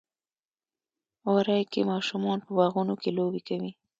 وری کې ماشومان په باغونو کې لوبې کوي.